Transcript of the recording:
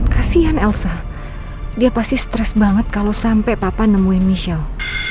kasihan elsa dia pasti stres banget kalau sampai papa nemuin michelle